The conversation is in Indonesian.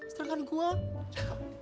setelah kan gue cakep